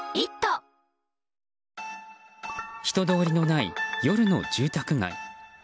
人通りのない夜の住宅街。